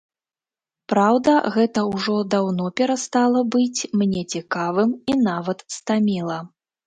Праўда, гэта ўжо даўно перастала быць мне цікавым і нават стаміла.